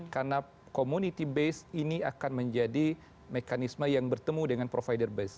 karena community base ini akan menjadi mekanisme yang bertemu dengan provider base